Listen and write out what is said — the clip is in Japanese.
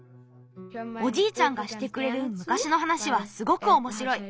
おじいちゃんがしてくれるむかしのはなしはすごくおもしろい。